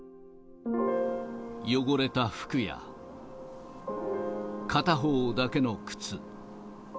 汚れた服や、片方だけの靴。